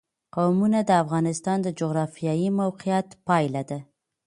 قومونه د افغانستان د جغرافیایي موقیعت پایله ده.